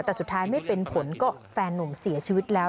แต่สุดท้ายไม่เป็นผลก็แฟนนุ่มเสียชีวิตแล้ว